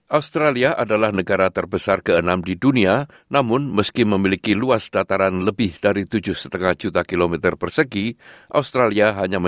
australia adalah negara yang besar yang menyebabkan cuaca ekstrim yang dialami di australia